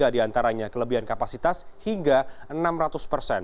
tiga diantaranya kelebihan kapasitas hingga enam ratus persen